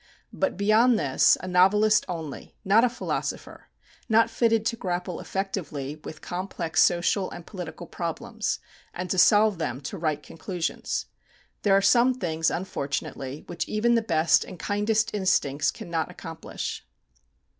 But, beyond this, a novelist only, not a philosopher, not fitted to grapple effectively with complex social and political problems, and to solve them to right conclusions. There are some things unfortunately which even the best and kindest instincts cannot accomplish.